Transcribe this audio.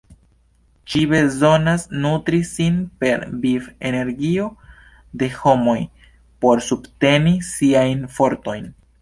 Ŝi bezonas nutri sin per viv-energio de homoj por subteni siajn fortojn.